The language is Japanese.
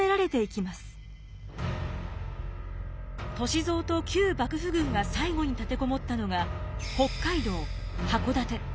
歳三と旧幕府軍が最後に立て籠もったのが北海道・函館。